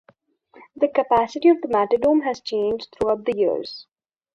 The capacity of the Matadome has changed throughout the years.